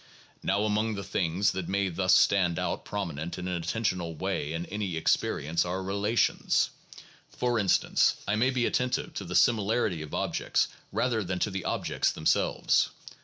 Now among the things that may thus stand out prominent in an attentional way in any experience are relations. For instance I may be attentive to the similarity of objects rather than to the objects themselves.